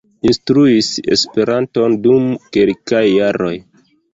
Instruis Esperanton dum kelkaj jaroj.